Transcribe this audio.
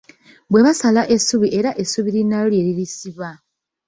Bwe basala essubi era essubi linnaalyo lye lirisiba.